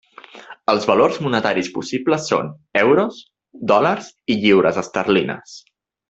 Els valors monetaris possibles són: euros, dòlars i lliures esterlines.